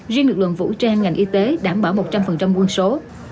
riêng lực lượng vũ trang ngành y tế đảm bảo một trăm linh quân số